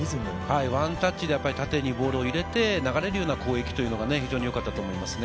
ワンタッチで縦にボールを入れて、流れるような攻撃というのがよかったと思いますね。